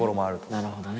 なるほどね。